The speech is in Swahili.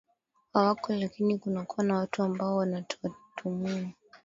hawako lakini kunakuwa na watu ambao wanatumua